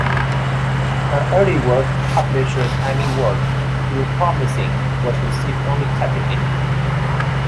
Her early work, published as Amy Ward, though promising, was received only tepidly.